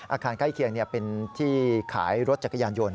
ใกล้เคียงเป็นที่ขายรถจักรยานยนต